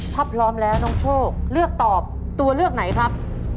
ถ้าพร้อมแล้วน้องโชคเลือกตอบตัวเลือกไหนครับ